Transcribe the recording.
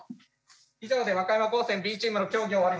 以上で和歌山高専Ｂチームの競技を終わります。